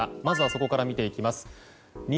まずはそこから見ていきます。